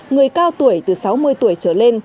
người cao tuổi từ sáu mươi tuổi trở lên